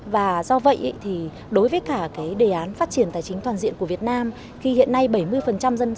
và do vậy thì đối với cả cái đề án phát triển tài chính toàn diện của việt nam khi hiện nay bảy mươi dân số việt nam chưa có tài khoản ngân hàng